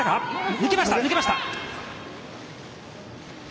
抜けました！